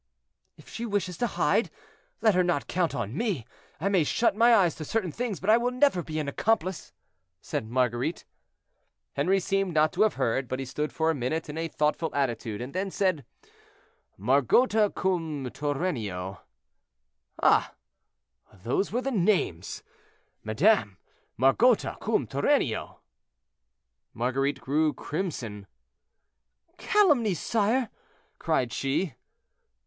"If she wishes to hide, let her not count on me. I may shut my eyes to certain things, but I will never be an accomplice," said Marguerite. Henri seemed not to have heard, but he stood for a minute in a thoughtful attitude, and then said, "Margota cum Turennio. Ah! those were the names, madame—'Margota cum Turennio.'" Marguerite grew crimson. "Calumnies, sire!" cried she.